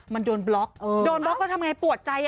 มันโดนบล็อกโดนบล็อกก็ทำอย่างไรปวดใจ